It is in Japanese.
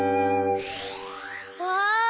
わあ！